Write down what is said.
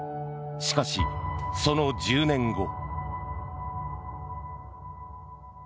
しかし、その１０年後。